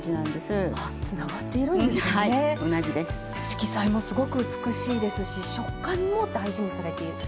色彩もすごく美しいですし食感も大事にされている。